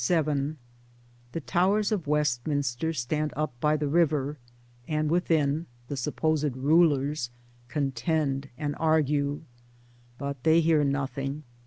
XXXVII The towers of Westminster stand up by the river, and, within, the supposed rulers contend and argue, but they hear nothing.